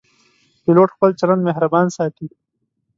پیلوټ خپل چلند مهربان ساتي.